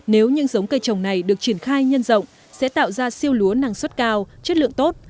nếu những giống cây trồng này được triển khai nhân rộng sẽ tạo ra siêu lúa năng suất cao chất lượng tốt